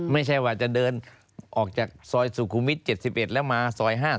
ไม่ใช่ว่าจะเดินออกจากซอยสุขุมวิท๗๑แล้วมาซอย๕๐